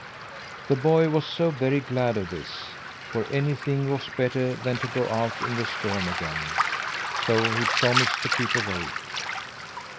The boy was so very glad of this for anything was better than to go out in the storm again so he promised to keep awake.